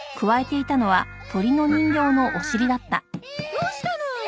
どうしたの！